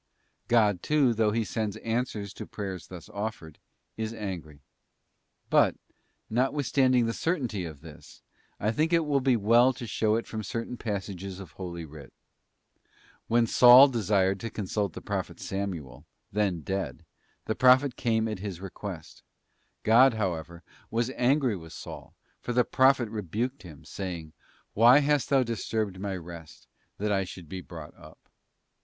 God too, though He sends answers to prayers thus offered, is angry. But, notwithstanding the certainty of this, I think it will be well to show it from certain passages of Holy Writ. When Saul desired to consult the prophet Samuel, then dead, the Prophet came at his request; God, however, was angry with Saul, for the Prophet rebuked him, saying, ' Why hast thou disturbed my rest, that I should be brought up?